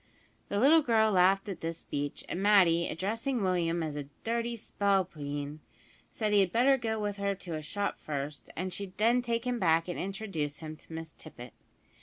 The little girl laughed at this speech, and Matty, addressing Willie as a "dirty spalpeen," said he had better go with her to a shop first, and she'd then take him back and introduce him to Miss Tippet.